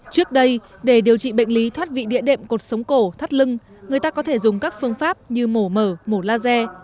trước đây để điều trị bệnh lý thoát vị địa đệm cột sống cổ thắt lưng người ta có thể dùng các phương pháp như mổ mở laser